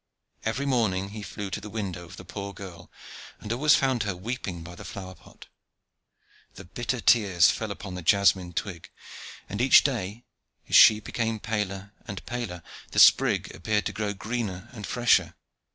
Every morning he flew to the window of the poor girl, and always found her weeping by the flower pot. The bitter tears fell upon the jasmine twig, and each day, as she became paler and paler, the sprig appeared to grow greener and fresher.